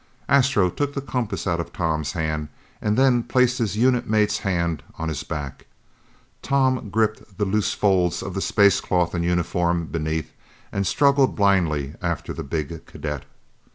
Astro took the compass out of Tom's hand and then placed his unit mate's hand on his back. Tom gripped the loose folds of the space cloth and uniform beneath and struggled blindly after the big cadet.